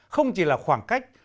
không chỉ là khoảng cách